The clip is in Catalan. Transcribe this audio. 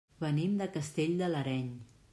Venim de Castell de l'Areny.